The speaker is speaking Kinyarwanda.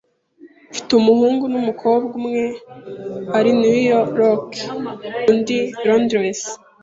Mfite umuhungu n'umukobwa .Umwe ari i New York, undi i Londres .